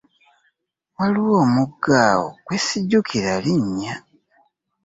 Waliwo omugga awo gwe ssijjukira linnya.